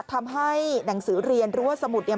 ทำให้หนังสือเรียนหรือว่าสมุดเนี่ย